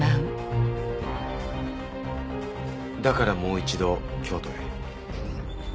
だからもう一度京都へ。